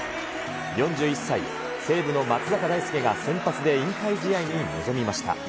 ４１歳、西武の松坂大輔が先発で引退試合に臨みました。